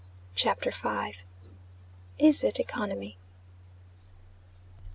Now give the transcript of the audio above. CHAPTER V. IS IT ECONOMY?